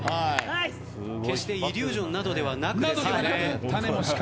決してイリュージョンなどではなく。